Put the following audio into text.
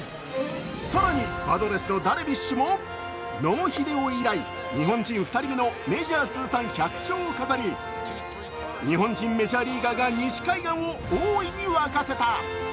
更に、パドレスのダルビッシュも野茂英雄以来、日本人２人目のメジャー通算１００勝を飾り、日本人メジャーリーガーが西海岸を大いに沸かせた。